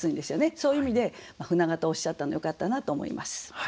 そういう意味で「舟形」おっしゃったのよかったなと思います。